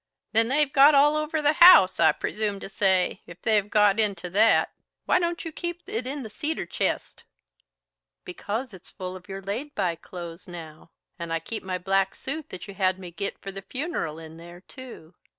"Then they've got all over the house, I presume to say, if they've got into that. Why don't you keep it in the cedar chist?" "Because it's full of your laid by clothes now, and I keep my black suit that you had me git for the funeral in there, too.